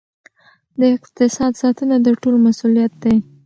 د اقتصاد ساتنه د ټولو مسؤلیت دی.